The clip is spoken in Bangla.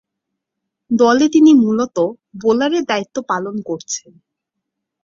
দলে তিনি মূলতঃ বোলারের দায়িত্ব পালন করছেন।